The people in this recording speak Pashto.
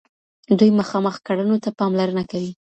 دوی مخامخ کړنو ته پاملرنه کوي.